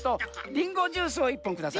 りんごジュースを１ぽんください。